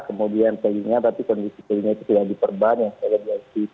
kemudian keinginannya tapi kondisi keinginannya itu tidak diperbaiki